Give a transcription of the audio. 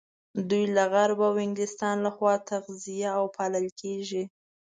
دوی له غرب او انګلستان لخوا تغذيه او پالل کېږي.